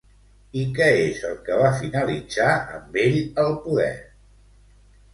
I què és el que va finalitzar amb ell al poder?